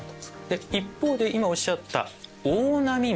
一方で今おっしゃった「大波紋」